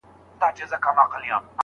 د ځوانيمرگي ښکلا زور، په سړي خوله لگوي